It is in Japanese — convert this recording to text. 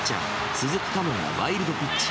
鈴木佳門がワイルドピッチ。